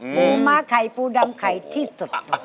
หมูม้าไข่ปูดำไข่ที่สด